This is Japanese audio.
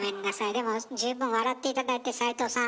でも十分笑って頂いて斉藤さん